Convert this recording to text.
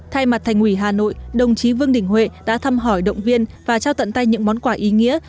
thay mặt thành ủy hà nội đồng chí vương đình huệ đã thăm hỏi động viên và trao tận tay những món quà ý nghĩa